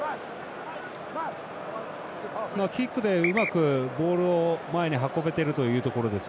キックでうまくボールを前に運べているというところです。